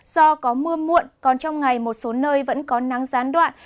do có mưa muộn còn trong ngày một số nơi vẫn có nắng gián đoạn